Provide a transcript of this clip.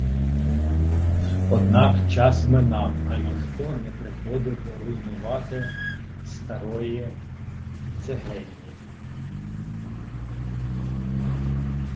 Однак час минав, а ніхто не приходив руйнувати старої цегельні.